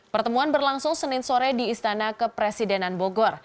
pertemuan berlangsung senin sore di istana kepresidenan bogor